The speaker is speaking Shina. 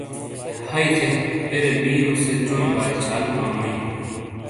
ہئی تھے پیرے بیرو سے چونے بال چھال پمونئی